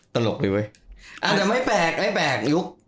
ตลกไปเว้ยอาจจะไม่แปลกยุค